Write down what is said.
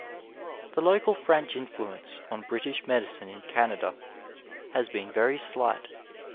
The local French influence on British medicine in Canada has been very slight.